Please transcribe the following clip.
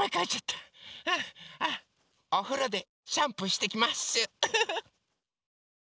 おふろでシャンプーしてきます。